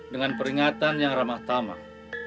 dengan peringatan yang ramah tamah